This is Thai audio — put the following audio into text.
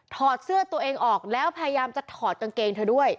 อดเสื้อตัวเองออกแล้วพยายามจะถอดกางเกงเธอด้วย